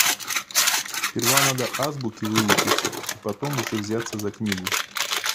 Сперва надо азбуке выучиться и потом уже взяться за книгу.